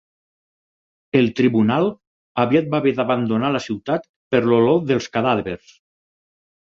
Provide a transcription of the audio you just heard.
El Tribunal aviat va haver d'abandonar la ciutat per l'olor dels cadàvers.